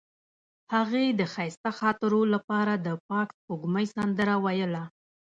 هغې د ښایسته خاطرو لپاره د پاک سپوږمۍ سندره ویله.